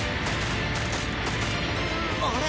あれ？